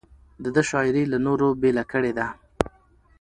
د ده شاعري له نورو بېله کړې ده.